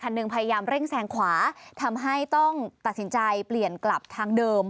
หนึ่งพยายามเร่งแซงขวาทำให้ต้องตัดสินใจเปลี่ยนกลับทางเดิม